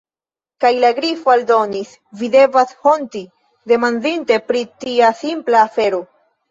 Kaj la Grifo aldonis: "Vi devas honti, demandinte pri tia simpla afero."